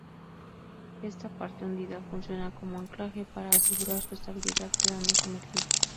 Esta parte hundida funciona como anclaje para asegurar su estabilidad quedando sumergida.